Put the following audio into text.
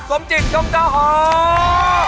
สมจิตจงเจ้าหอบ